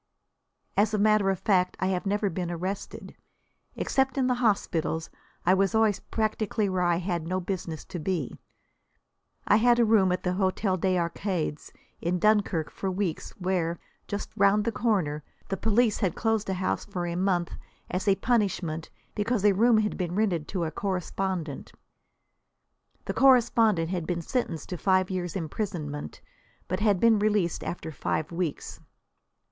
As a matter of fact, I have never been arrested. Except in the hospitals, I was always practically where I had no business to be. I had a room in the Hôtel des Arcades, in Dunkirk, for weeks, where, just round the corner, the police had closed a house for a month as a punishment because a room had been rented to a correspondent. The correspondent had been sentenced to five years' imprisonment, but had been released after five weeks.